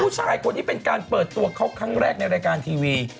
ผู้ชายคนนี้เป็นการเปิดตัวเขาครั้งแรกในรายการทีวี